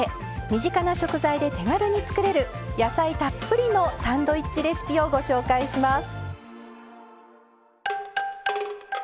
身近な食材で手軽に作れる野菜たっぷりのサンドイッチレシピをご紹介します